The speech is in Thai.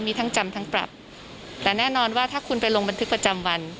มีทั้งจำทั้งปรับแต่แน่นอนว่าถ้าคุณไปลงบันทึกประจำวัน